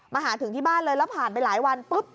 หาถึงที่บ้านเลยแล้วผ่านไปหลายวันปุ๊บ